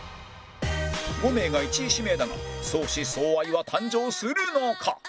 ５名が１位指名だが相思相愛は誕生するのか？